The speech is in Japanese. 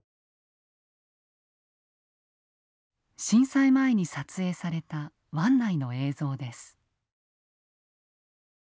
震災前に撮影された湾内の映像です。